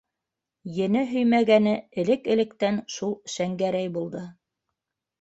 Ене һөймәгәне элек-электән шул Шәңгәрәй булды.